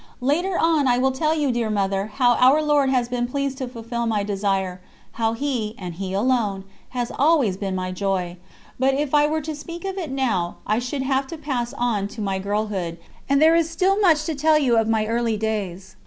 Later on I will tell you, dear Mother, how Our Lord has been pleased to fulfill my desire, how He, and He alone, has always been my joy; but if I were to speak of it now I should have to pass on to my girlhood, and there is still much to tell you of my early days.